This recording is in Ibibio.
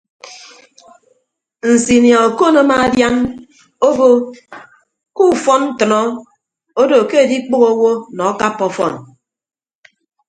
Nsinia okon amaadian obo ke ufọn ntʌnọ odo ke adikpʌghọ owo nọ akappa ọfọn.